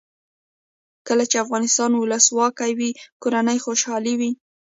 کله چې افغانستان کې ولسواکي وي کورنۍ خوشحاله وي.